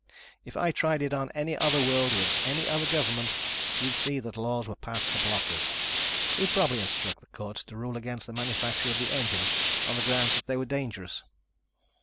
If I tried it on any other world, with any other government, he'd see that laws were passed to block us. He'd probably instruct the courts to rule against the manufacture of the engines on the grounds that they were dangerous."